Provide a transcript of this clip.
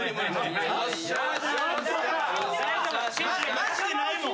マジでないもん。